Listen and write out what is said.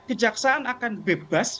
kejaksaan akan bebas